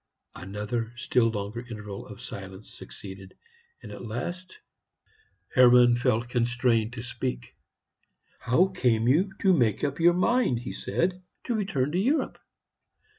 Another and still longer interval of silence succeeded, and at last Hermann felt constrained to speak. "How came you to make up your mind," he said, "to return to Europe?"